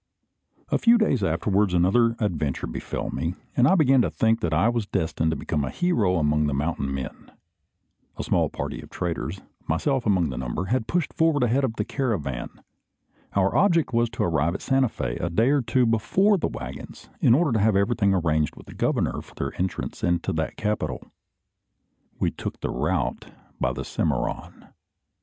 A few days afterwards, another adventure befell me; and I began to think that I was destined to become a hero among the "mountain men." A small party of the traders, myself among the number, had pushed forward ahead of the caravan. Our object was to arrive at Santa Fe a day or two before the waggons, in order to have everything arranged with the Governor for their entrance into that capital. We took the route by the Cimmaron.